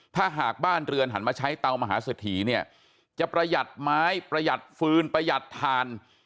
ถ้าหากบ้านเรือนหันมาใช้เตามหาเศรษฐีเนี่ยจะประหยัดไม้ประหยัดฟืนประหยัดทาน